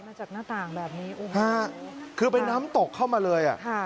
มาจากหน้าต่างแบบนี้คือไปน้ำตกเข้ามาเลย